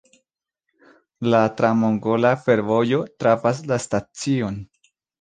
La tra-mongola fervojo trafas la stacion.